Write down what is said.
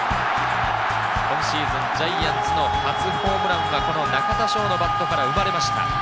今シーズン、ジャイアンツの初ホームランはこの中田翔のバットから生まれました。